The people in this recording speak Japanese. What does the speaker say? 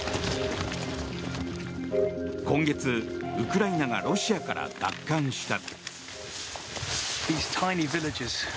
今月、ウクライナがロシアから奪還した。